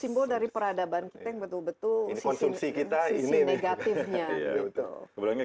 simbol dari peradaban kita yang betul betul sisi negatifnya gitu sebenarnya